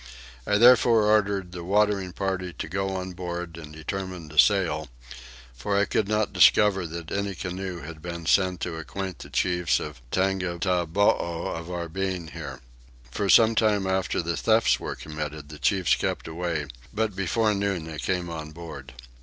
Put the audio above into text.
I therefore ordered the watering party to go on board and determined to sail, for I could not discover that any canoe had been sent to acquaint the chiefs of Tongataboo of our being here. For some time after the thefts were committed the chiefs kept away, but before noon they came on board.